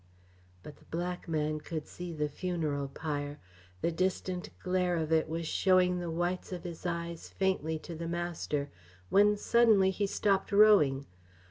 But the black man could see the funeral pyre; the distant glare of it was showing the whites of his eyes faintly to the master, when suddenly he stopped rowing.